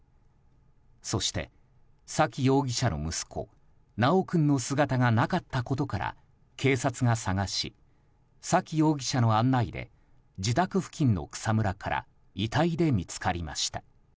そして、沙喜容疑者の息子修君の姿がなかったことから警察が捜し、沙喜容疑者の案内で自宅付近の草むらから遺体で見つかりました。